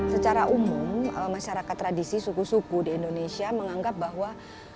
secara umum masyarakat tradisi suku suku di indonesia menganggap bahwa